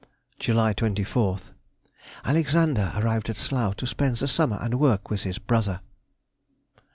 July 24th.—Alexander arrived at Slough to spend the summer and work with his brother.